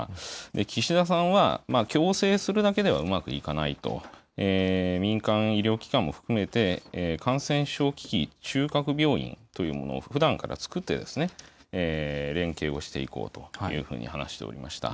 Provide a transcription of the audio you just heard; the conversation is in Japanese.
岸田さんは、強制するだけではうまくいかないと、民間医療機関も含めて、感染症中核病院というものをふだんから作ってですね、連携をしていこうというふうに話しておりました。